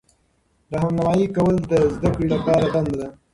راهنمایي کول د زده کړې لپاره دنده ده.